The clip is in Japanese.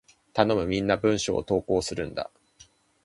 頼む！みんな文章を投稿するんだ！